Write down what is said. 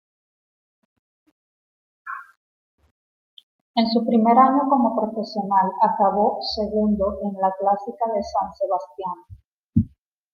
En su primer año como profesional acabó segundo en la Clásica de San Sebastián.